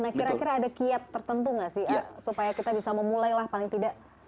kira kira ada kiat tertentu tidak sih supaya kita bisa memulailah paling tidak